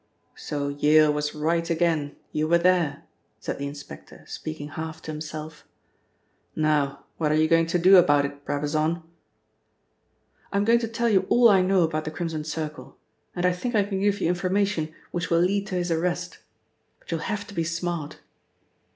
"So Yale was right again. You were there!" said the inspector speaking half to himself. "Now, what are you going to do about it, Brabazon?" "I'm going to tell you all I know about the Crimson Circle, and I think I can give you information which will lead to his arrest. But you'll have to be smart."